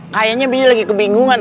kayanya beli lagi kebingungan